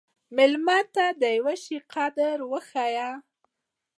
مېلمه ته د یوه شي قدر وښیه.